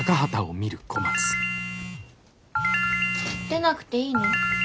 出なくていいの？